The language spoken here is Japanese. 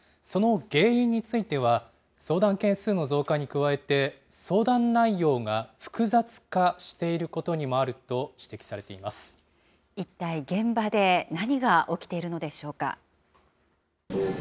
その原因については、相談件数の増加に加えて、相談内容が複雑化していることにもあると指摘され一体、現場で何が起きているのでしょうか。